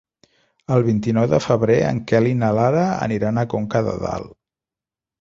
El vint-i-nou de febrer en Quel i na Lara aniran a Conca de Dalt.